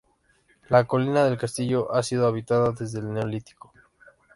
La colina del castillo ha sido habitada desde el Neolítico.